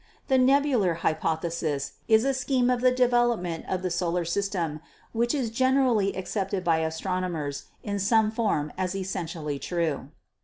The Nebular Hypothesis is a scheme of the development of the solar system which is generally accepted by astronomers in some form as essentially true.